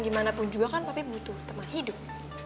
gimanapun juga kan papi butuh teman hidup